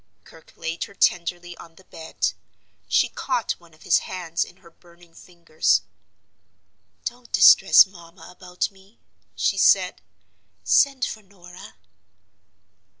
Kirke laid her tenderly on the bed. She caught one of his hands in her burning fingers. "Don't distress mamma about me," she said. "Send for Norah."